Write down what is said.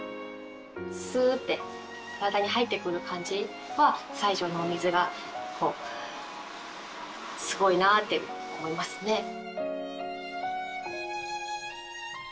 スーッて体に入ってくる感じは西条のお水がすごいなって思いますね。